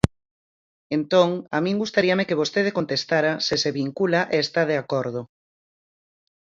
Entón, a min gustaríame que vostede contestara se se vincula e está de acordo.